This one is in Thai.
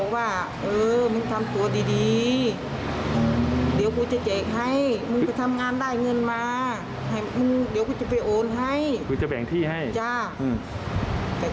แล้วมึงไปอยู่บ้านทั่วตน